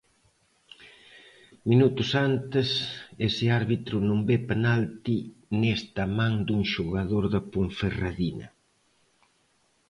Minutos antes ese árbitro non ve penalti nesta man dun xogador da Ponferradina.